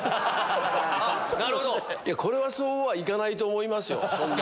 これはそうはいかないと思いますよ。